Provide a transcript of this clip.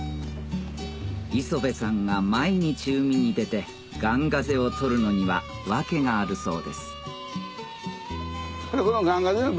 磯辺さんが毎日海に出てガンガゼを取るのには訳があるそうです